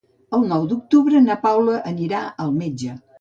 El nou d'octubre na Paula anirà al metge.